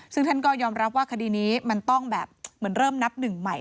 ซึ่งท่านก็ยอมรับว่าคดีนี้มันต้องแบบ